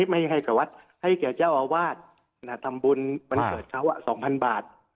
ไม่ให้กับวัฒน์ให้เกี่ยวเจ้าอาวาสนาธรรมบุญมันเกิดเขา๒๐๐๐บาท